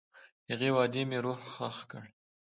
هغې وعدې مې روح ښخ کړ.